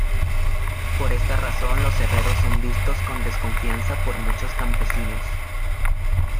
Por esta razón los herreros son vistos con desconfianza por muchos campesinos.